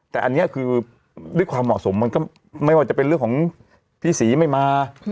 แต่อันนี้คือด้วยความเหมาะสมมันก็ไม่ว่าจะเป็นเรื่องของพี่ศรีไม่มา